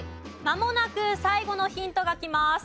まもなく最後のヒントがきます。